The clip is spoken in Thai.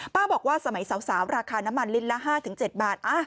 บอกว่าสมัยสาวราคาน้ำมันลิตรละ๕๗บาท